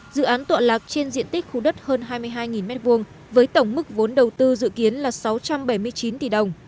dự án tọa lạc trên diện tích khu đất hơn hai mươi hai m hai với tổng mức vốn đầu tư dự kiến là sáu trăm bảy mươi chín tỷ đồng